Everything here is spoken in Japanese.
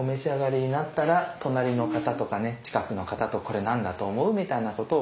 隣の方とかね近くの方とこれ何だと思う？みたいなことを。